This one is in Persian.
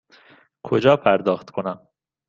کجا پرداخت کنم؟